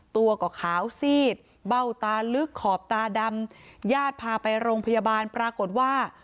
ตัวก็ขาวซีดเบ้าตาลึกขอบตาดำญาติพาไปโรงพยาบาลปรากฏว่า